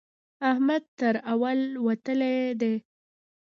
احمد تر اول وتلی دی.